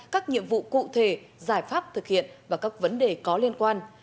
các nhiệm vụ cụ thể giải pháp thực hiện và các vấn đề có liên quan